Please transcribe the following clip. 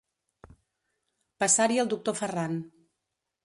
Passar-hi el doctor Ferran.